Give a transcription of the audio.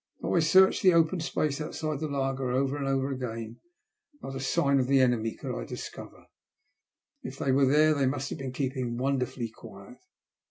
Though I searched the open space outside the laager over and over again, not a sign of the enemy could I discover. If they were there, they must have been keeping wonderfully quiet.